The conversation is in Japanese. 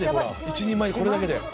一人前これだけで。